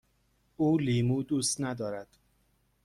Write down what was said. او لیمو دوست ندارد.